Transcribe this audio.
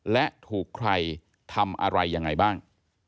และถูกใครทำอะไรยังไงบ้าง